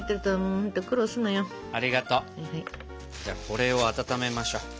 じゃこれを温めましょ。